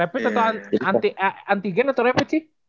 rapid atau anti gen atau rapid sih